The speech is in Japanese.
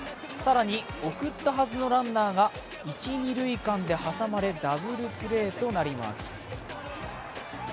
更に、送ったはずのランナーが一・二塁間で挟まれダブルプレーとなります。